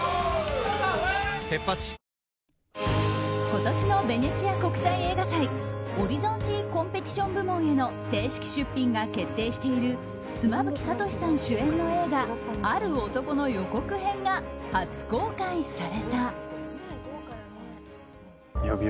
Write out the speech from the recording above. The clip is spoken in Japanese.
今年のベネチア国際映画祭オリゾンティ・コンペティション部門への正式出品が決定している妻夫木聡さん主演の映画「ある男」の予告編が初公開された。